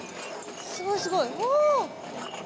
すごいすごい。わ。